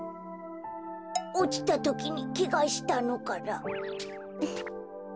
おちたときにけがしたのかな。